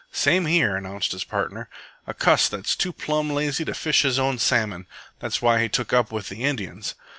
"Same here," announced his partner. "A cuss that's too plumb lazy to fish his own salmon. That's why he took up with the Indians.